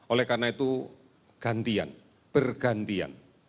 oleh karena itu gantian bergantian